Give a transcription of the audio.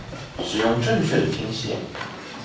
使用正确的拼写